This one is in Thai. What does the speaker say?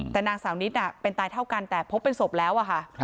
แต่นางสาวนิดเป็นตายเท่ากันแต่พบเป็นศพแล้วอะค่ะ